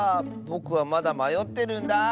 ぼくはまだまよってるんだあ。